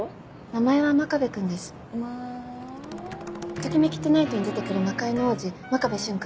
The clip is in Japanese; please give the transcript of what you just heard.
『ときめきトゥナイト』に出てくる魔界の王子・真壁俊君。